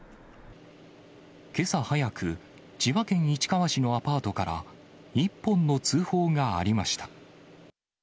けさ早く、千葉県市川市のアパートから、一本の通報がありました。